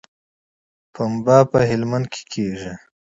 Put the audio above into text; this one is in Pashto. پنبه په هلمند کې کیږي